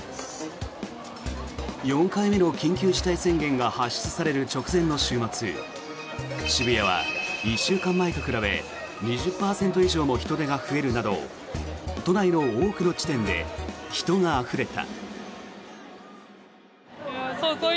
４回目の緊急事態宣言が発出される直前の週末渋谷は１週間前と比べ２０％以上も人出が増えるなど都内の多くの地点で人があふれた。